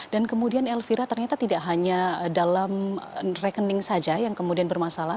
dan kemudian elvira ternyata tidak hanya dalam rekening saja yang kemudian bermasalah